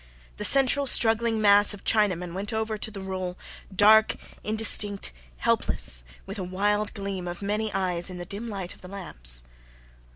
The central struggling mass of Chinamen went over to the roll, dark, indistinct, helpless, with a wild gleam of many eyes in the dim light of the lamps.